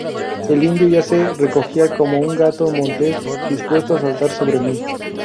el indio ya se recogía, como un gato montés, dispuesto a saltar sobre mí.